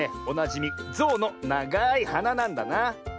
おなじみゾウのながいはななんだな。